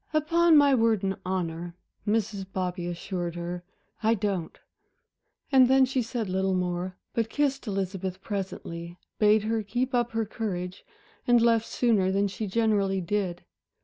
"Upon my word and honor," Mrs. Bobby assured her, "I don't." And then she said little more, but kissed Elizabeth presently, bade her keep up her courage, and left sooner than she generally did.